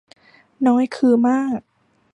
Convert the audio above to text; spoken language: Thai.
น้อยคือมาก